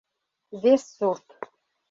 Вес сурт.